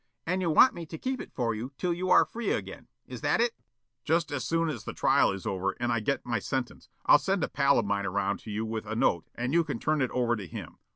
"And you want me to keep it for you till you are free again, is that it?" "Just as soon as the trial is over and I get my sentence, I'll send a pal of mine around to you with a note and you can turn it over to him.